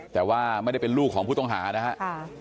แต่ว่าไม่ได้เป็นลูกของผู้ต้องหานะครับ